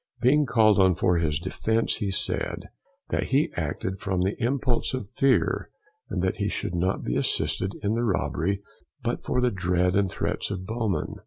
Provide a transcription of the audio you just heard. Being called on for his defence, he said, that he acted from the impulse of fear, and that he should not have assisted in the robbery but for the dread and threats of Bowman.